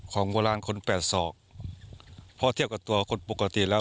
ของโบราณคนแปดศอกเพราะเทียบกับตัวคนปกติแล้ว